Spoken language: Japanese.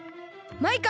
マイカ！